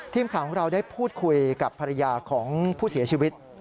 ทีมข่าวของเราได้พูดคุยกับภรรยาของผู้เสียชีวิต